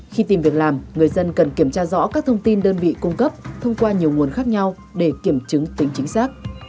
khi tìm việc làm người dân cần kiểm tra rõ các thông tin đơn vị cung cấp thông qua nhiều nguồn khác nhau để kiểm chứng tính chính xác